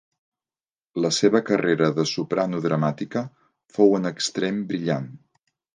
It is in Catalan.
La seva carrera de soprano dramàtica fou en extrem brillant.